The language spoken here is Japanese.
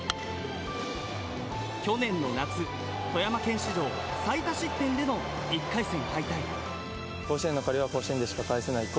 去年の夏富山県史上最多失点での１回戦敗退。